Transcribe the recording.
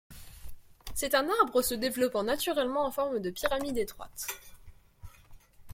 C'est un arbre se développant naturellement en forme de pyramide étroite.